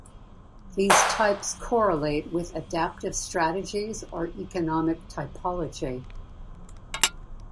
These types correlate with adaptive strategies or economic typology.